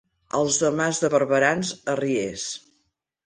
Els de Mas de Barberans, arriers.